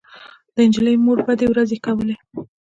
د نجلۍ مور بدې ورځې کولې